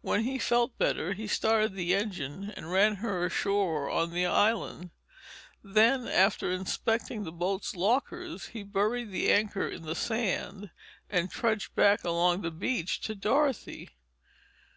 When he felt better, he started the engine and ran her ashore on the island. Then after inspecting the boat's lockers, he buried her anchor in the sand and trudged back along the beach to Dorothy.